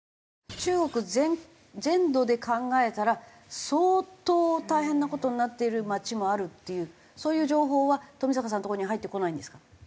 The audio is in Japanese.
中国全土で考えたら相当大変な事になっている町もあるっていうそういう情報は冨坂さんのところには入ってこないんですか？